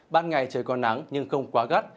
ban ngày trời còn nắng nhưng không quá gắt